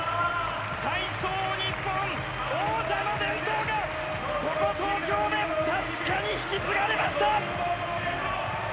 体操日本、王者の伝統がここ東京で確かに引き継がれました！